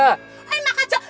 eh maka jauh